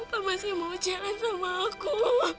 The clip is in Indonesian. papa masih mau jalan sama aku